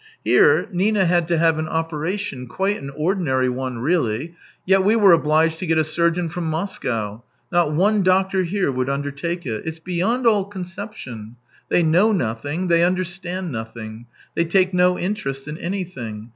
Here, Nina had to have an operation, quite an ordinary one really, yet we were obliged to get a surgeon from Moscow ; not one doctor here would undertake it. It's beyond all conception. They know nothing, they understand nothing. Thev take no interest in anything.